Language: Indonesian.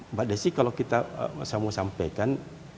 mbak desi kalau kita saya mau sampaikan